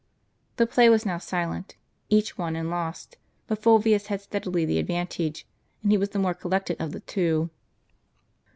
The play was now silent : each won and lost; but Fulvius had steadily the advantage, and he was the more collected of the two.